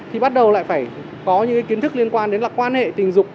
thì bắt đầu lại phải có những kiến thức liên quan đến là quan hệ tình dục